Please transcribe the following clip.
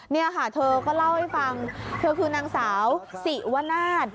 นี่ค่ะเธอก็เล่าให้ฟังเธอคือนางสาวสิวนาศ